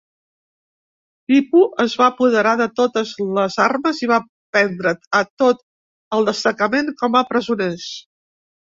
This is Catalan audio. Tipu es va apoderar de totes les armes i va prendre a tot el destacament com a presoners.